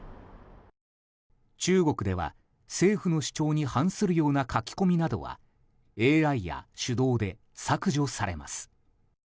中国では、政府の主張に反するような書き込みはＡＩや手動で削除されます。